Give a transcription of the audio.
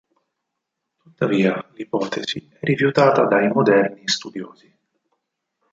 Tuttavia l'ipotesi è rifiutata dai moderni studiosi.